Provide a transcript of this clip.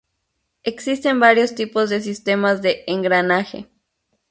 Existen varios tipos de sistemas de engranaje.